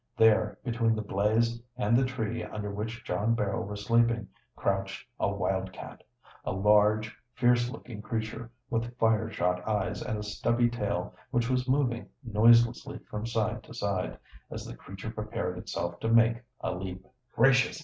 There, between the blaze and the tree under which John Barrow was sleeping, crouched a wildcat, a large, fierce looking creature, with fire shot eyes and a stubby tail which was moving noiselessly from side by side, as the creature prepared itself to make a leap. "Gracious!